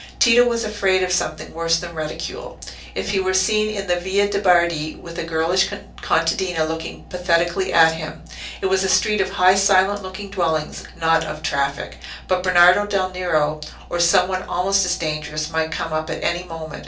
Tito was afraid of something worse than ridicule, if he were seen in the Via de' Bardi with a girlish contadina looking pathetically at him. It was a street of high silent looking dwellings, not of traffic; but Bernardo del Nero, or some one almost as dangerous, might come up at any moment.